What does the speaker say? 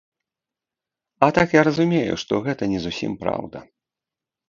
А так я разумею, што гэта не зусім праўда.